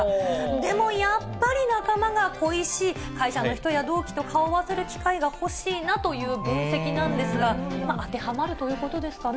でもやっぱり、仲間が恋しい、会社の人や同期と顔を合わせる機会が欲しいなという分析なんですが、当てはまるということですかね。